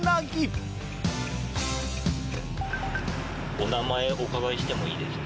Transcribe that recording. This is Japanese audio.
お名前お伺いしてもいいですか？